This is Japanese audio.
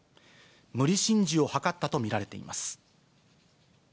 無理心中を図ったと見られています。